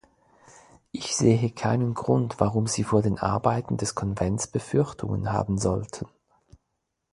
Ich sehe keinen Grund, warum Sie vor den Arbeiten des Konvents Befürchtungen haben sollten.